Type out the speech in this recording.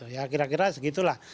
ya kira kira segitulah